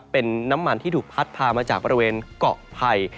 เป็นน้ำมันที่ถูกพัดพามาจากบริเวณเกาะไผ่